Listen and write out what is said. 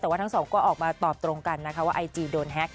แต่ว่าทั้งสองก็ออกมาตอบตรงกันนะคะว่าไอจีโดนแฮ็ก